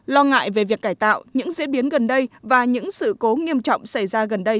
lo ngại về việc cải tạo những diễn biến gần đây và những sự cố nghiêm trọng xảy ra gần đây